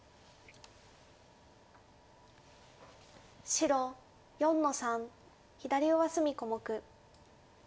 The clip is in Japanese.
白４の三左上隅小目。